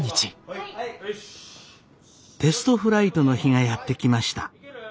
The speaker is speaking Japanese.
テストフライトの日がやって来ました。